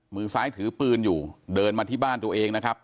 มือซ้ายถือปืนอยู่เดินมาที่บ้านตัวเองนะครับ